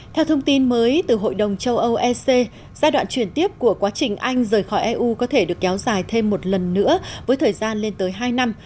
theo thông tin mới từ hội đồng châu âu ec giai đoạn chuyển tiếp của quá trình anh rời khỏi eu có thể được kéo dài thêm một lần nữa với thời gian lên tới hai năm